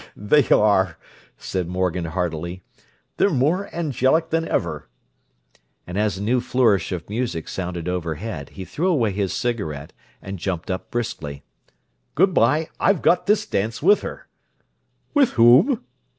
"They are," said Morgan heartily. "They're more angelic than ever." And as a new flourish of music sounded overhead he threw away his cigarette, and jumped up briskly. "Good bye, I've got this dance with her." "With whom?"